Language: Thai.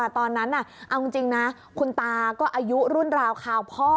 ตอนนั้นเอาจริงนะคุณตาก็อายุรุ่นราวคราวพ่อ